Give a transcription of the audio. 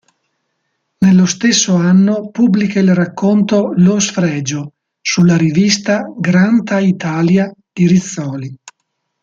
Nello stesso anno pubblica il racconto "Lo sfregio" sulla rivista "Granta Italia" di Rizzoli.